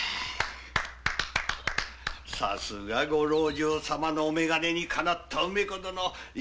さすがご老中様のお眼鏡にかなった梅子殿。